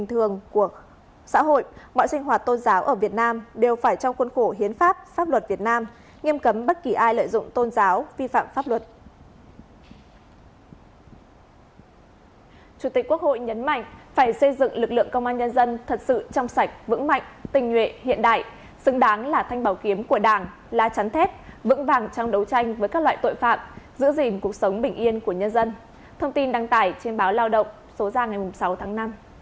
thông tin đăng tải trên báo lao động số ra ngày sáu tháng năm